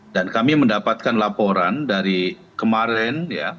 dan kami mendapatkan laporan dari kemarin